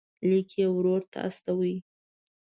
لیک یې ورور ته استوي.